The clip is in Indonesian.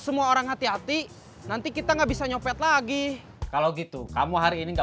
semua orang hati hati nanti kita nggak bisa nyopet lagi kalau gitu kamu hari ini enggak